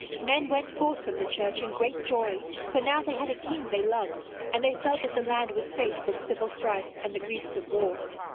Men went forth from the church in great joy, for now they had a king they loved, and they felt that the land was safe from civil strife and the griefs of war.